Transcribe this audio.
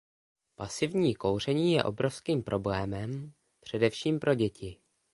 Pasivní kouření je obrovským problémem, především pro děti.